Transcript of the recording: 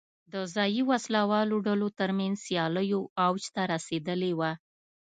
د ځايي وسله والو ډلو ترمنځ سیالیو اوج ته رسولې وه.